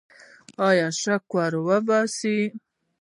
آیا شکر وباسو؟